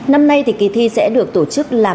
năm nay thì kỳ thi sẽ được tổ chức